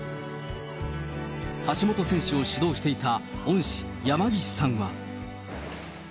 橋本選手を指導していた恩師、山岸さんは。